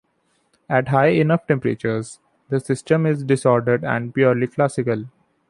At high enough temperatures, the system is disordered and purely classical.